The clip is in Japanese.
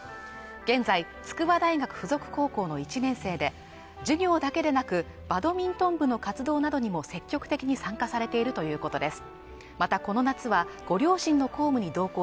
現在、筑波大学附属高校の１年生で授業だけでなくバドミントン部の活動などにも積極的に参加されているということです